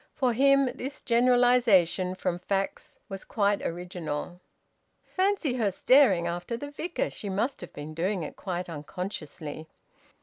(For him, this generalisation from facts was quite original.) Fancy her staring after the Vicar! She must have been doing it quite unconsciously!